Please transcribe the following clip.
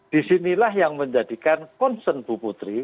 disinilah yang menjadikan concern bu putri